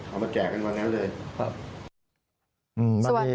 เอามาแจกกันบางอย่างนั้นเลยครับสวัสดีครับ